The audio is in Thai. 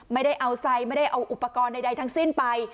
ไม่ได้เอาไซด์ไม่ได้เอาอุปกรณ์ใดทั้งสิ้นไป